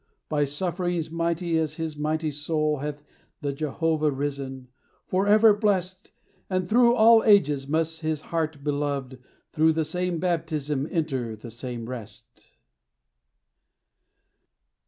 By sufferings mighty as his mighty soul Hath the Jehovah risen forever blest; And through all ages must his heart beloved Through the same baptism enter the same rest.